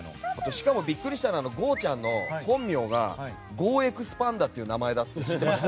しかもビックリしたのがゴーちゃん。の本名がゴーエクスパンダって名前って知ってました？